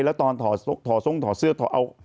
แล้วตอนถอสกทรวงถอเสื้อหรือเอาที่ใส่